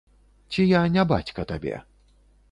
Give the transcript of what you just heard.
Ці я не бацька табе?